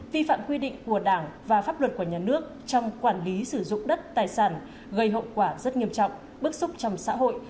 vi phạm quy định của đảng và pháp luật của nhà nước trong quản lý sử dụng đất tài sản gây hậu quả rất nghiêm trọng bức xúc trong xã hội